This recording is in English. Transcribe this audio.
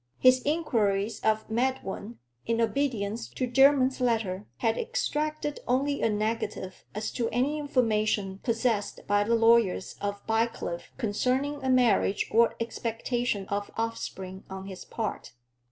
His enquiries of Medwin, in obedience to Jermyn's letter, had extracted only a negative as to any information possessed by the lawyers of Bycliffe concerning a marriage, or expectation of offspring on his part.